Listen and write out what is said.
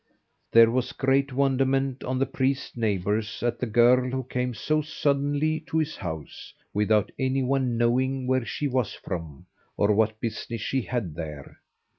There was great wonderment on the priest's neighbours at the girl who came so suddenly to his house without any one knowing where she was from, or what business she had there.